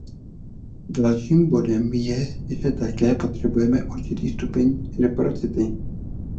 Dalším bodem je, že také potřebujeme určitý stupeň reciprocity.